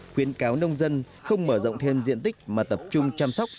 khuyến cáo nông dân không mở rộng thêm diện tích mà tập trung chăm sóc